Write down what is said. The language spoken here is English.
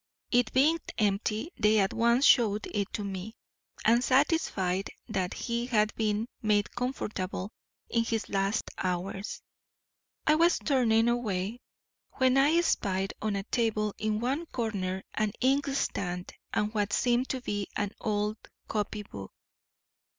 It being empty they at once showed it to me; and satisfied that he had been made comfortable in his last hours, I was turning away, when I espied on a table in one corner an inkstand and what seemed to be an old copy book.